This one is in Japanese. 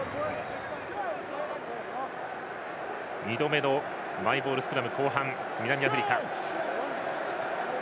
２度目のマイボールスクラム後半、南アフリカ。